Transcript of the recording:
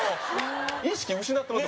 意識失ってます